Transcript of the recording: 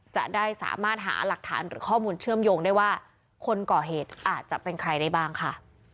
จะได้สามารถหาหลักฐานหรือข้อมูลเชื่อมโยงได้ว่าคนก่อเหตุอาจจะเป็นใครได้บ้างค่ะ